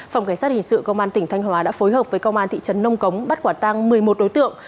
phòng cảnh sát hình sự công an tỉnh thanh hóa đã phối hợp với công an thị trấn nông cống bắt quả tăng một mươi một đối tượng